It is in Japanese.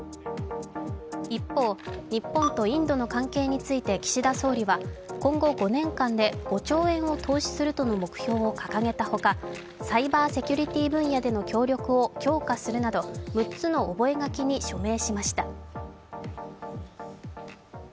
一方、日本とインドの関係について岸田総理は、今後５年間で、５兆円を投資するとの目標を掲げたほかサイバーセキュリティー分野での協力を強化するなど６つの覚書に署名しました。